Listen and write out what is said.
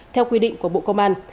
theo quy định của bộ công an